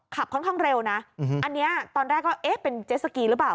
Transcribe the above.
ขับค่อนข้างเร็วนะอันนี้ตอนแรกก็เอ๊ะเป็นเจสสกีหรือเปล่า